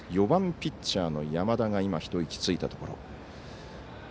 ４番ピッチャーの山田が一息ついたところ。